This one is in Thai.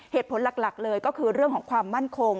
เหตุผลหลักเลยก็คือเรื่องของความมั่นคง